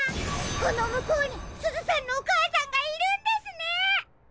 このむこうにすずさんのおかあさんがいるんですね！